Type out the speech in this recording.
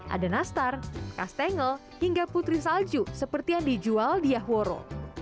ada nastar kastengel hingga putri salju seperti yang dijual di yahworo